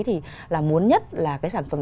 thì là muốn nhất là cái sản phẩm